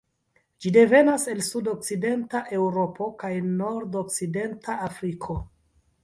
Ĝi devenas el sudokcidenta Eŭropo kaj nordokcidenta Afriko.